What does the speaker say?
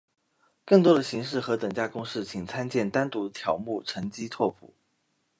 更多的形式和等价公式请参见单独条目乘积拓扑。